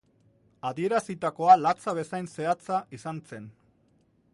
Adierazitakoa latza bezain zehatza izan zen.